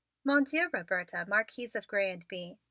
"Mon Dieu, Roberta, Marquise of Grez and Bye!"